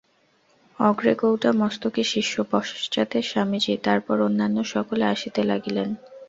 অগ্রে কৌটা-মস্তকে শিষ্য, পশ্চাতে স্বামীজী, তারপর অন্যান্য সকলে আসিতে লাগিলেন।